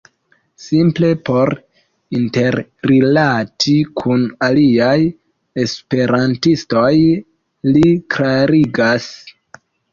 Simple por interrilati kun aliaj esperantistoj, li klarigas.